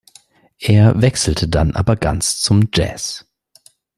Er wechselte dann aber ganz zum Jazz.